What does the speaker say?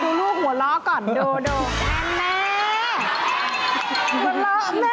ดูลูกหัวเราะก่อนดูแม่